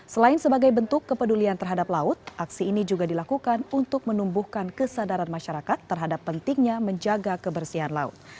selain sebagai bentuk kepedulian terhadap laut aksi ini juga dilakukan untuk menumbuhkan kesadaran masyarakat terhadap pentingnya menjaga kebersihan laut